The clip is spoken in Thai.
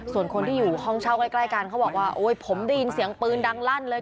ส่วนคนที่อยู่ห้องเช่าใกล้กันเขาบอกว่าโอ๊ยผมได้ยินเสียงปืนดังลั่นเลย